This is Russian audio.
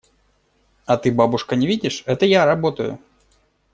– А ты, бабушка, не видишь – это я работаю.